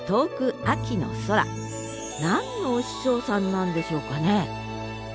何のお師匠さんなんでしょうかね？